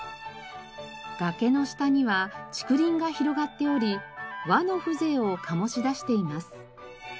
崖の下には竹林が広がっており和の風情を醸し出しています。